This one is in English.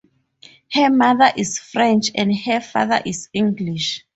Her mother is French and her father is English.